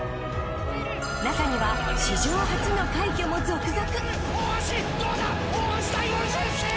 中には史上初の快挙も続々。